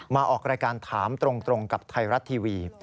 มาออกรายการถามตรงกับไทยรัฐทีวี